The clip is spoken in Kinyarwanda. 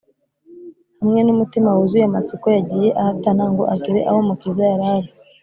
Hamwe n’umutima wuzuye amatsiko, yagiye ahatana ngo agere aho Umukiza yari ari